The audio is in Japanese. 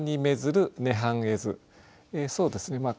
そうですね